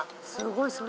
すごい。